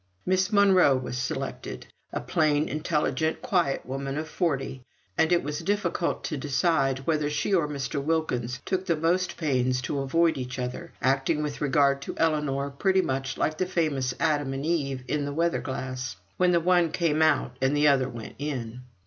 Miss Monro was selected a plain, intelligent, quiet woman of forty and it was difficult to decide whether she or Mr. Wilkins took the most pains to avoid each other, acting with regard to Ellinor, pretty much like the famous Adam and Eve in the weather glass: when the one came out the other went in.